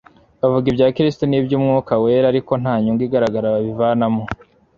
bavuga ibya Kristo n'iby'umwuka Wera, ariko nta nytmgu igaragara babivanamo.